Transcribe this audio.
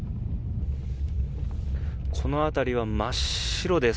この辺りは真っ白です。